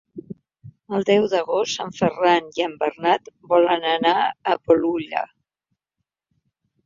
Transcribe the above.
El deu d'agost en Ferran i en Bernat volen anar a Bolulla.